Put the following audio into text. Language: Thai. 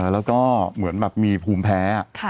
แล้วก็เหมือนแบบมีภูมิแพ้